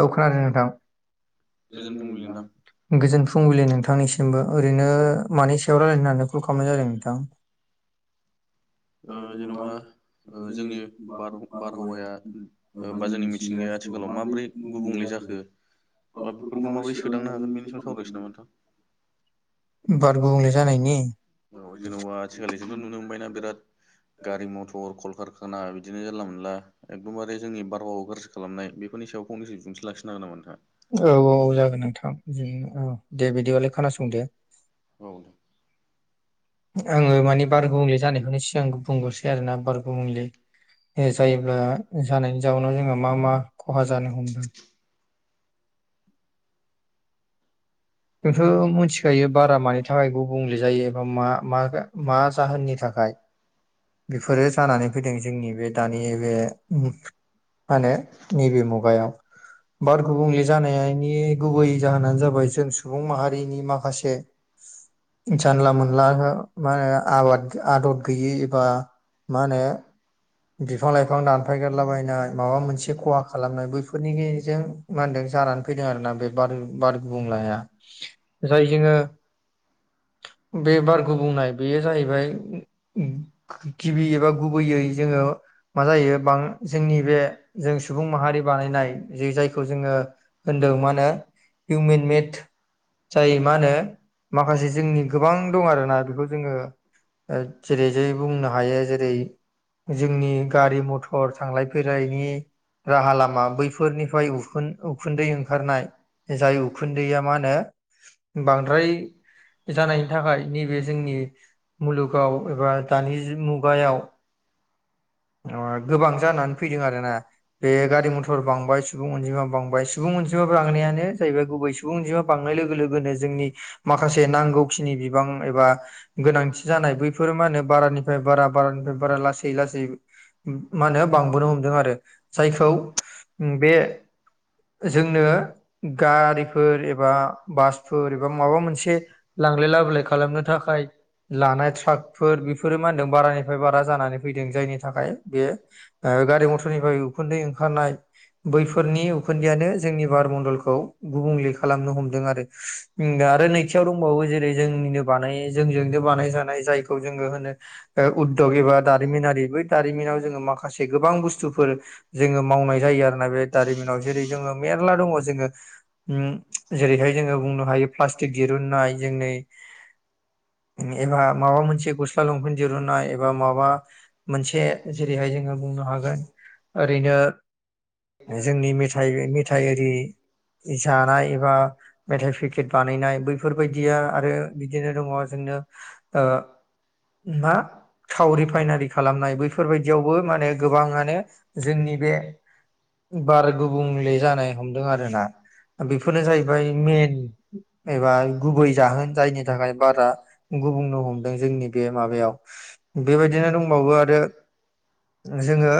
औ खोनादों नोंथां। गोजोन फुंबिलि नोंथां गोजोन फुंबिलि नोंथांनिसिम। मबो ओरैनो मानि सायाव रायलायनो होननानै कल खालामनाय जादों नोंथां? ओ जेन'बा जोंनि बार बारहावाया बा जोंनि मिथिंगाया माब्रै गुबुंले जाखो? बा बेफोरखौ माबोरै सोदांनो हागोन बेनि सायाव सावरायनोसै नामा नोंथां? बार गुबुंले जानायनि औ जेन'बा आथि खालिजोंथ' नुनो मोनबायनाा बिराद। गारि मथर कलकारखाना बिदिनो जेनला मोनला एकदमबारे जोंनि बारबाव गाज्रि खालामनाय बेफोरनि सायाव फंनैसो बिबुंथि लाखिनो हागोन नामा नाोंथां? औ -औ -औ जागोन नोंथां बिदिनो औ दे बिदिबा नों खोनासं दे। औ। आङो माने बार गुबुंले जानायखौनो सिगां बुंग्रोसै आरोना बार गुबुंले जायोब्ला जानायनि जाउनाव जोंहा मा मा खहा जानो हमदों? जोंथ' मिथिखायो बारा मानि थाखाय गुबुंले जायो एबा मा - मा - मा जाहोननि थाखाय? बेफोरो जानानै फैदों जोंनि बे दानि बे मा नो नैबे मुगायाव। बार गुबुंले जानायनि गुबै जाहोनानो जाबाय जों सु माहारिनि माखासे जानला मोनला मा होनो आबाद आदब गैयि एबा मा होनो बिफां लाइफां दानफायगोन लाबायनाय माबा मोनसे खहा खालामनाय बैफोरनि गेजेरजों मा होनदों जानानै फैदों आरोना बे बारो बार गुबुंलाया जाय जोङो बे बार गुबुंनाय बेयो जाहैबाय गिबि एबा गुबैयै जोङो मा जायो बां जोंनि बे जों सुबुं माहारि बानायनाय जे जायखौ जोङो होनदों मा होनो [unintelligible] हिउमेन मेट जायो मा होनो माखासे जोंनि गोबां गोबां दं आर ना बेखौ जोङो जेरै जै बुंनो हायो जेरै जोंनि गारि मथर थांलाय फैलायनि राहा लामा बैफोरनिफ्राय उखुन उखुन्दै ओंखारनाय जाय उखुन्दैया मा होनो हो बांद्राय जानायनि थाखाय नैबे जोंनि मुलुगाव एबा दानि मुगायाव [inaudible] [unintelligible] गोबां जानानै फैदों आरो ना बे गारि मथर बांबाय सुबुं अनजिमा बांबाय सुबुं अनजिमा बांनायानो जाहैबाय गुबै सुबुं अनजिमा बांनाय लोगो लोगोनो जोंनि माखासे नांगौखिनि बिबां एबा गोनांथि जानाय बैफोर मा होनो बारानि फ्राय बारा बारानिफ्राय बारा लासै लासै मा होनो बांबोनो हमदों आरो जायखौ बे जोंनो गारिफोर एबा बासफोर एबा माबा मोनसे लांलाय लाबोलाय खालामनो थाखाय लानाय ट्राकफोर बेफोरो मा होनदों बारानिफ्राय बारा जानानै फैदों जायनि थाखाय ओ बियो ओ गारि मथरनिफ्राय उखुन्दै ओंखारनाय बैफोरनि उखन्दैया जोंनि बार मन्डलखौ गुबुंले खालामनो हमदों आरो। उम आरो नैथियाव दंबावो जेरै जोंनिनो बानाय जोंजोंनो बानाय जानाय जायखौ जोङो होनो ओ उदग एबा दारिमिनारि बै दारिमिनाव जोङो माखासे गोबां बुस्थुफोर जोङो मावनाय जायो आरोना बे दारिमिनाव। जेरै जोङो मेरला दङ जोङो उम जेरैहाय जोङो बुंनो हायो प्लास्टिक दिरुननाय जोंनि उम एबा माबा मोनसे गस्ला लंफेन दिरुननाय एबा माबा से जेरैहाय जोङो बुंनो हागोन ओरैनो जोंनि मेथाइ मेथाइ आरि जानाय एबा मेथाइ फेकेट बानायनाय बैफोर बायदिया आरो बिदिनो दङ जोंनो ओ मा थाव रिफायनारि खाला लामनाय बैफोरबायदियावबो मानो गोबाङानो जोंनि बे बार गुबुंले जानाय हमदों आरोना ओ बेफोरनो जाहैबाय मेन एबा गुबै जाहोन जायनि थाखाय बारा गुबुंनो हमदों जोंनि बे माबायाव बेबायदिनो दंबावो आरो जोङो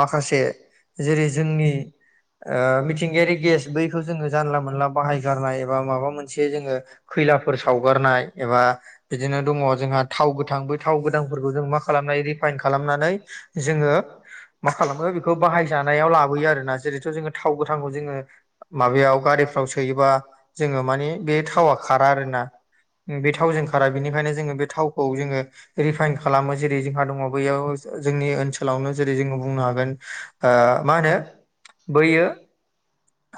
माखासे जेरै जोंनि ओ मिथिंगायारि गेस बैखौ जों ओ जानला मोनला बाहाय गारनाय एबा माबा मोनसे जोङो खैलाफोर सावगारनाय एबा बिदिनो दङ जोंहा थाव गोथां बै थाव गोथांफोरखौ जों मा खालामनाय रिफायन खालामनानै जोङो मा खालामो बेखौ बाहायजानायाव लाबोयो आरोना जेरैथ' जोङो थाव गोथांखौ जोङो माबायाव गारिफ्राव सोयोबा जोङो माने बे थावा खारा आरोना। उम बे थावजों खारा बेनिखायनो जोङो बे थावखौ जोङो रिफायन खालामो। जेरै ओ जोंहा दङ बैयाव जोंनि ओनसोलावनो जेरै जोङो बुंनो हागोन आ मा होनो बैयो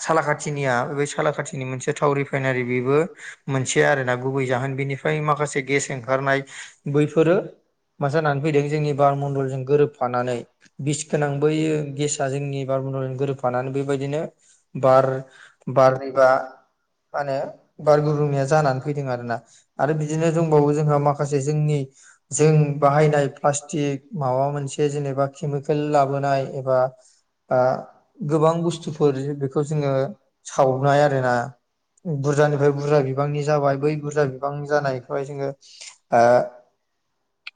सालाखाथिनिया बै सालाखाथिनि मोनसे थाव रिफायनारि बेबो मोनसे आरोना गुबै जाहोन बेनि फ्राय माखासे गेस ओंखारनाय बैफोरो मोज जानानै फैदों जोंनि बार मण्डलजों गोरोबफानानै बिस गोनां बैयो गेसआ जोंनि बारमण्डलजों गोरोबफानानै बेबायदिनो बार बारनैबा मानो बार गुबुंनाया जानानै फैदों आरो ना। आरो बिदिनो दंबावो जोंहा माखासे जोंनि जों बाहायनाय प्लास्टिक माबा मोनसे जेनेबा केमिकेल लाबोनाय एबा आ गोबां बुस्थुफोर बेखौ जोंङो सावनाय आरोना। बुरजानिफ्राय बुरजा बिबांनि जाबाय बै बुरजा बिबांनि जानायखौहाय जोङो आ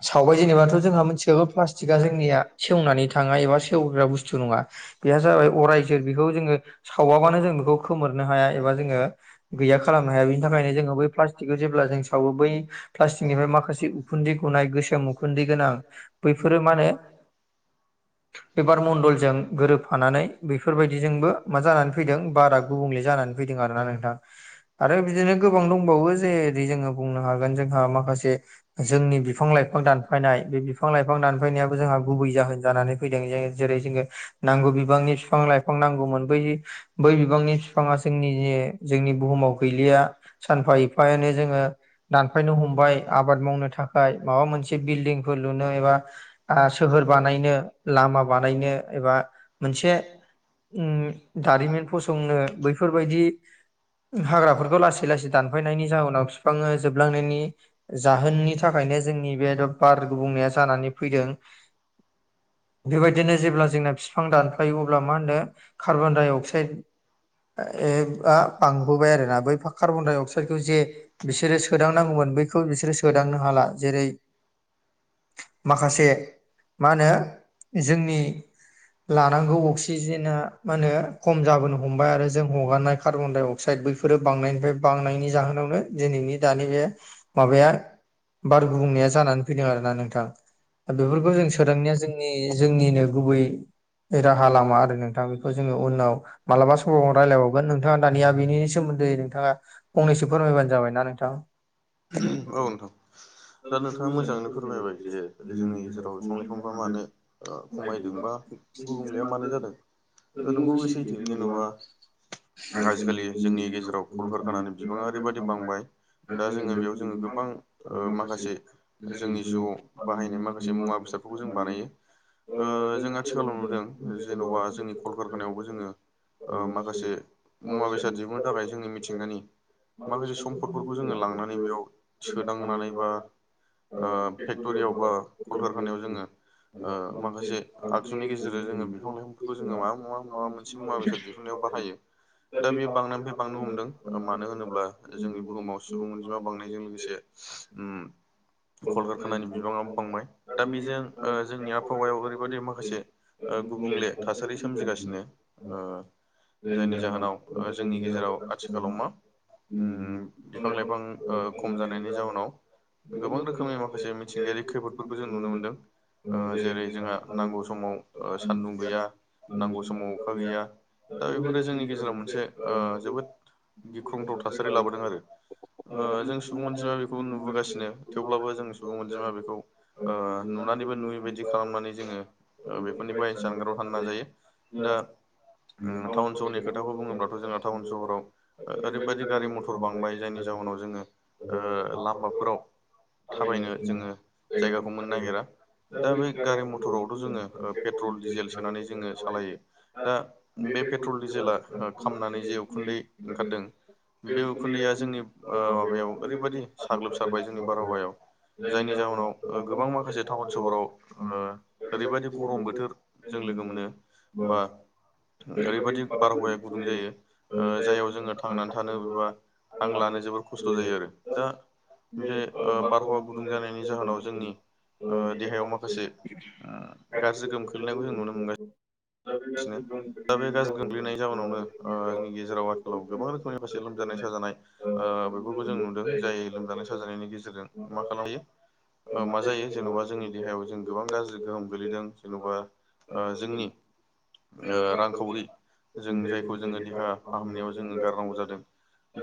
सावबाय जेनेबाथ' जोंहा मोनथिखागौ प्लास्टिकआ जोंनिया सेवनानै थाङा एबा सेवग्रा बुस्थु नङा। बेहा जाबाय अरायजोर बेखौ जोङो सावाबानो जों बेखौ खोमोरनो हाया एबा जोङो गैया खालामनो हाया बेनि थाखायनो जोङो बै प्लास्टिकखौ जेब्ला जों सावो बै प्लास्टिकनिफ्राय माखासे उखुन्दै गनाय गोसोम उखुन्दै गोनां बैफोरो मा होनो [inaudible] बे बार मण्डलजों गोरोबफानानै बेफोरबायदिजोंबो मा जानानै फैदों बारा गुबुंले जानानै फैदों आरो ना नोंथां। आरो बिदिनो गोबां दंबावो जेरै जोङो बुंनो हागोन जोंहा माखासे जोंनि बि फां लाइफां दानफायनाय बे बिफां लाइफां दानफायनायाबो जोंहा गुबै जाहोन जानानै फैदों। जे जेरै जोङो नांगौ बिबांनि बिफां लाइफां नांगौमोन बै, बै बिबांनि बिफाङा जोंनि जोंनि बुहुमाव गैलिया, सानफा एफायानो जोङो दानफायनो हमबाय आबाद मावनो था खाय माबा मोनसे बिल्डिंफोर लुनो एबा सोहोर बानायनो, लामा बानायनो एबा मोनसे उम दारिमिन फसंनो बैफोरबायदि हाग्राफोरखौ लासै लासै दानफायनायनि जाउनाव बिफाङा जोबलांनायनि जाहोननि थाखायनो जोंनि बे बार गुबुंनाया जानानै फैदों। [inaudible] बेबायदिनो जेब्ला जोंना बिफां दानफायो अब्ला मा होनो कार्बन डाइ अक्साइड आ बांबोबाय आरोना। बैफोर कार्बन अक्साइदखौ जे बिसोरो सोदांनांगौमोन बैखौ बिसोरो सोदांनो हाला। जेरै [inaudible] माखासे मा होनो? जोंनि लानांगौ अक्सिजेना मा होनो खम जाबोनो हमबाय आरो जों हगारनाय कार्बन डाय अक साइड बैफोरो बांनायनिफ्राय बांनायनि जाहोनावनो दिनैनि दानि बे माबाया गुबुंनाया जानानै फैदों आरोना नोंथां। बेफोरखौ जों सोदांनाया जों नि जोंनिनो गुबै राहा लामा आरो नोंथां। बेखौ जोङो उनाव मालाबा समाव रायलायबावगोन नोंथाङा दानिया बेनि सोमोन्दै थाङा फंनैसो फोरमायबानो जाबाय ना नोंथां। औ नोंथां। दा नोंथाङा मोजाङैनो फोरमायबाय जे जोंनि गेजेराव बिफां लाइफांफ्रा मानो ओ खमायदों बा गुबुंलेया मानो जादों? ओ नंगौ बे सैथो। जेनबा आजिखालि जोंनि गेजेराव कल कारखानानि बिबाङा ओरैबायदि बांबाय दा जोङो बेयाव जोङो गोबां ओ माखासे जोंनि जिउआव बाहायनाय माखासे मुवा बेसादखौबो जों बानायो। ओ जों आथिखालाव नुदों जेनबा जोंनि कलकारखानायावबो जोङो ओ माखासे मुवा बेसाद दिहुननो थाखाय जोंनि मिथिंगानि माखासे सम्फदफोरखौ जोङो लांनानै बेयाव सोदांनानै बा ओ फेक्टरियाव बा, कल कारखानायाव जोङो ओ माखासे आगजुनि गेजेरजों जोङो बिफां लाइफांफोरखौ जोङो माबा मुवा माबा मोनसे मुवा बेसाद दि हुननायाव बाहायो। दा बेयो बांनायनिफ्राय बांनो हमदों, ओ मानो होनोब्ला जोंनि बुहुमाव सुबुं अनजिमा बांनायजों लोगो से उम कल कारखानानि बिबाङाबो बांबाय। दा बेजों ओ जोंनि आबहावायाव ओरैबायदि माखासे ओ गुबुंले थासारि सोमजिगासिनो। ओ जायनि जाहोनाव जोंनि गेजेराव आथिखालाव मा? उम बिफां लाइफां ओ खम जानायनि जाउनाव गोबां रोखोमनि माखासे मिथिंगायारि खैफोदफोरखौ जों नुनो मोनदों। ओ जेरै जोंहा नांगौ समाव ओ सानदुं गैया, नांगौ समाव अखा गैया। दा बेफोरो जोंनि गेजेराव मोनसे ओ जोबोद गिख्रंथाव थासारि लाबोदों आरो। ओ जों सुबुं अनजिमाया बेखौ नुबोगासिनो। थेवब्लाबो जों सुबुं अनजिमाया बेखौ ओ नुनानैबो नुयैबायदि खालामनानै जोङो ओ बेफोरनिफ्राय जानगाराव थानो नाजायो। दा, उम टाउन सहरनि खोथाखौ बुङोब्लाथ' जोंहा टाउन सहराव ओरैबादि गारि मथर बांबाय जायनि जाउनाव जोङो ओ लामाफोराव थाबायनो जोङो जायगाखौनो मोननो नागिरा। दा बे गारि मटरावथ' जोङो पेट्रल डिजेल सोनानै जोङो सालायो। दा बे पेट्रल डिजेला खामनानै जे उखुन्दै ओंखारदों बे उखुन्दैया जोंनि ओ माबायाव ओरैबायदि साग्लोबसारबाय जोंनि बारहावायाव जायनि जाहोनाव ओ गोबां माखासे टाउन सहराव ओ ओरैबायदि गरम बोथोर जों लोगो मोनो बा ओरैबायदि बारहावाया गुदुं जायो ओ जाययाव जोंङो थांनानै थानो एबा हां लानो जोबोद खस्थ' जायो आरो दा बे ओ बारहावा गुदुं जानायनि जाहोनाव जोंनि ओ देहायाव माखासे ओ गाज्रि गोहोम खोलैनायखौ जों नुनो मोनगासि [inaudible] नो दा बे गेस गोग्लैनाय जाउनावनो जोंनि गेजेराव आथिखालाव गोबां रोखोमनि माखासे लोमजानाय साजानाय ओ बेफोरखौ जों नुदों जाय लोमजानाय साजानायनि गेजेरजों मा खालामनो हायो ओ मा जायो जेन'बा जोंनि देहायाव जों गोबां गाज्रि गोहोम गोलैदों जेनेबा ओ जोंनि ओ रांखावरि जों जायखौ जोंङो देहा फाहामनायाव जोंङो गारनांगौ जादों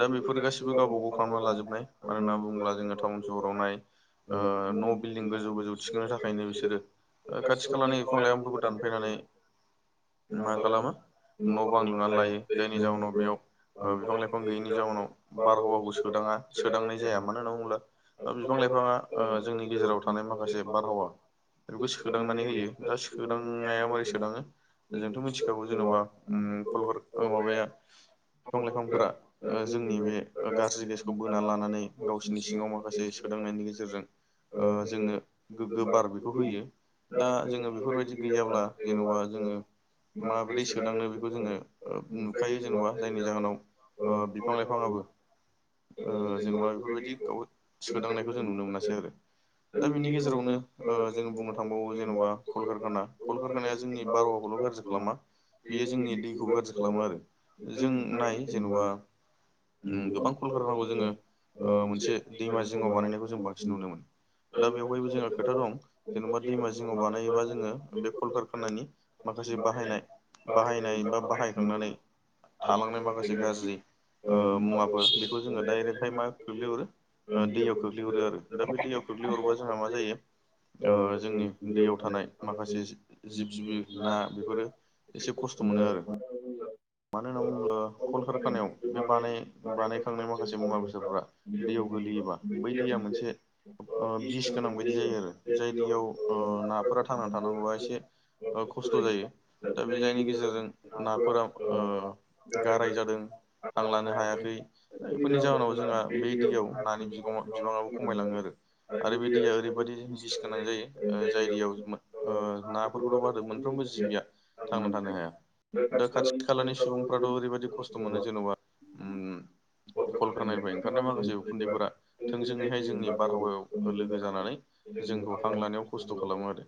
दा बेफोर गासिबो गावबा गाव खालामना लाजोबनाय मानो होनना बुङोब्ला जोंङो टाउन सहरावनाय ओ न' बिल्डिं गोजौ गोजौ थिखोनो थाखायनो बिसोरो खाथि खालानि बिफां लाइफांफोरखौ दानफायनानै मा खालामो न' बां लुनानै लायो जायनि जाउनाव बेयाव ओ बिफां लाइफां गैयैनि जाउनाव बारहावाखौ सोदाङा सोदांनाय जाया मानो होनानै बुङोब्ला बिफां ओ जोंनि गेजेराव थानाय माखासे बारहावा बेखौ सोदांनानै होयो दा सोदांनाया मारै सोदांङो जोंथ' मिथिखागौ जेन'बा अम ओ माबाया बिफां लाइफांफोरा जोंनि बे गाज्रि गेसखौ बो नानै लानानै गावसोरनि सिङाव माखासे सोदांनायनि गेजेरजों ओ जोंनो गोगो बार बेखौ होयो दा जोंङो बेफोरबायदि गैयाब्ला जेन'बा जोंङो माबोरै सोदांनो बेखौ जोंङो नुखायो जेनेबा जायनि जाहोनाव ओ बिफां लाइफांआबो ओ जेनेबा बेफोरबायदि गाव सोदांनायखौ जों नुनो मोनासै आरो। दा बेनि गेजेरावनो जोंङो बुंनो थांबावो जेनेबा कलकारखाना कलकारखानाया जोंनि बारहावाखौल' गाज्रि खालामा बियो जोंनि दैखौबो गाज्रि खालामो आरो जों नाय जेन'बा उम गोबां [inaudible] कलकारखानाखौ जोंङो मोनसे दैमा जिङाव बानायनायखौ जों बांसिन नुनो मोनो। दा बेवहायबो जोंहा खोथा दं जेनेबा दैमा जिङाव बानायोबा जोंङो बे कलकारखानानि माखासे बाहायनाय बाहायनायबा बाहायखांनानै थालांनाय माखासे गाज्रि ओ मुवाफोर बेखौ जोंङो डाइरेक्ट ओफ्राय मा खोख्लैहरो ओ दैयाव खोख्लैहरो आरो दा बे दैयाव खोख्लैहरोबा जोंहा मा जायो ओ जोंनि दैयाव थानाय माखासे जि जिब जिबि ना बे फोरो एसे खस्थ' मोनो आरो। मानो होनना बुङोब्ला कलकारखानायाव बे बानाय बानाय खांनाय माखासे मुवा बेसादफोरा दैयाव गोलैयोबा बै दैया मोनसे बिस गोनां बायदि जायो आरो जाय दैयाव नाफोरा थांनानै थानांगौवा एसे ओ खस्थ' जायो दा बे जायनि गेजेरजों नाफोराव ओ गाराय जादों हां लानो हायाखै औइफोरनि जाहोनाव जोंहा बे दैयाव नानि बिबाङा बिबाङआबो खमायलाङो आरो। आरो बे दैया ओरैबादि बिस गोनां जायो ओ जाय दैयाव ओ नाफोरखौथ' बाद हो मोनफ्रोमबो जिबिया थांना थानो हाया दा खाथि खालानि सुबुंफ्राथ' ओरैबायदि खस्थ' मोनो जेन'बा उम कलकानानिफ्राय ओंखारनाय माखासे उखुन्दैफोरा थोंजोङैहाय जोंनि बारहावायाव लोगो जानानै जोंखौ हां लानायाव खस्थ' खालामो आरो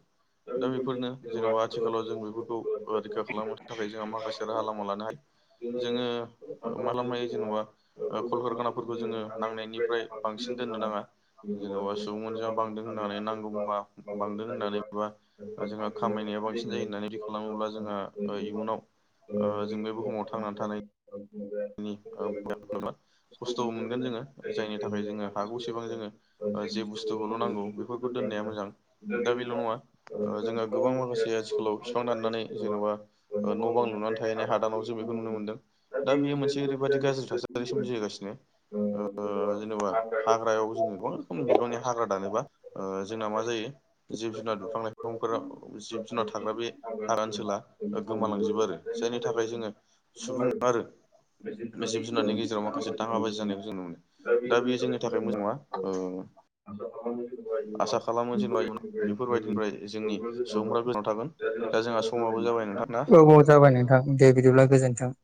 दा बेफोरनो जेनेबा आथिखालाव जों बेफोरखौ रैखा खालामनो थाखाय जोंहा माखासे राहा लामा लानो हायो। जोङो मालामायो जेनबा ओ कलकारखानाफोरखौ जोङो नांनायनिफ्राय बांसिन दोननो नाङा। जेन'बा सुबुं अनजिमा बांदों होननानै नांगौ मुवा बांदों होननानै बबेबा ओ जोंहा खामायनाया बांसिन जायो होन्नानै बि खालामोब्ला जोंहा ओ इयुनाव ओ जों बे बुहुमाव थांनानै थानायनि [unintelligible] खस्थ'बो मोनगोन जोङो जायनि थाखाय जोङो हागौसेबां जोङो ओ जे बुस्थुखौल' नांगौ बेफोरखौ दोननाया मोजां। दा बेल' नङा ओ जोंहा गोबां माखासे आथिखालाव बिफां दाननानै जेन'बा न' बां लुनानै थाहैनाय हादानावसो बेखौ नुनो मोनदों दा बेयो मोनसे ओरैबायदि गाज्रि थासारि थासारि सोमजिहोगासिनो ओ जेनेबा हाग्रायावबो जोंङो गोबां बिबांनि हाग्रा दानोबा ओ जोंना माजायो जिब जुनार बिफां लाइफांफोराव जिब जुनार थाग्रा बे हाग्रा ओनसोला ओ गोमालांजोबो आरो जायनि थाखाय जोङो सुबुं आरो बे जिब जुनारनि गेजेराव माखासे दाङाब बाजि जानायखौ जों नु मोनो। दा बेयो जोंनि थाखाय मोजां नङा। आसा खालामो जेनेबा बेफोरबायदिनिफ्राय जोंनि सुबुंफ्रा गोजानाव [unintelligible] थागोन दा जोंहा समाबो जाबाय नोंथां ना औ औ जाबाय नोंथां दे बिदिब्ला गोजोनथों।